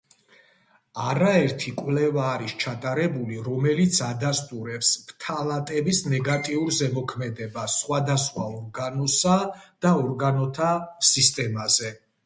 არაერთი კვლევა არის ჩატარებული, რომელიც ადასტურებს ფტალატების ნეგატიურ ზემოქმედებას სხვადასხვა ორგანოსა და ორგანოთა სისტემაზე.